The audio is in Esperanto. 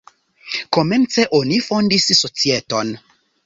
Komence oni fondis societon.